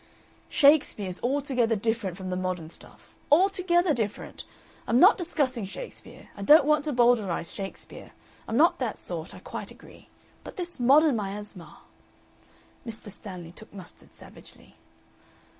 '" "Shakespeare is altogether different from the modern stuff. Altogether different. I'm not discussing Shakespeare. I don't want to Bowdlerize Shakespeare. I'm not that sort I quite agree. But this modern miasma " Mr. Stanley took mustard savagely.